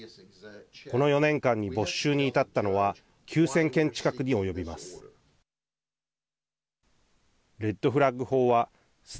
この４年間に没収に至ったのは９０００件近くに及びます。